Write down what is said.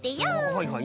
はいはい。